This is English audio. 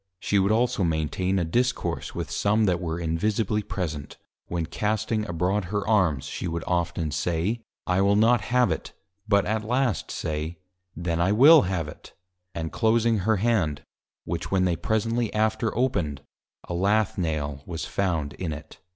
She would also maintain a Discourse with some that were Invisibly present, when casting abroad her Arms, she would often say, I will not have it! but at last say, Then I will have it! and closing her Hand, which when they presently after opened, a Lath Nail was found in it.